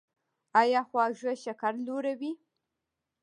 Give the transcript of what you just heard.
ایا خواږه شکر لوړوي؟